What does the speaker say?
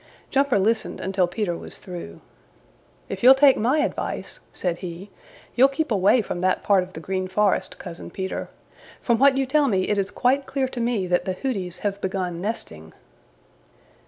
Jumper listened until Peter was through. "If you'll take my advice," said he, "you'll keep away from that part of the Green Forest, Cousin Peter. From what you tell me it is quite clear to me that the Hooties have begun nesting."